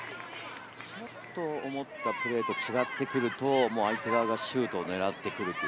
ちょっと思ったプレーと違ってくると、相手側がシュートを狙ってくる。